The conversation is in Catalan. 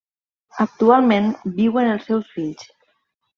Actualment viuen els seus fills.